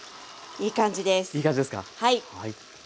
いい感じですか。